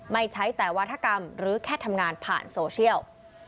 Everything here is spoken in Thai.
ไม่ใช้แต่วาธกรรมหรือแค่ทำงานผ่านโซเชียล